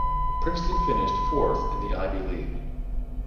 Princeton finished fourth in the Ivy League.